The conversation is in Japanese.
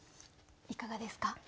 いかがですか？